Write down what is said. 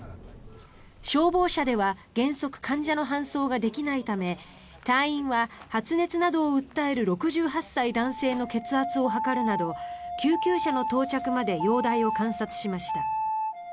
消防車では原則、患者の搬送ができないため隊員は発熱などを訴える６８歳男性の血圧を測るなど救急車の到着まで容体を観察しました。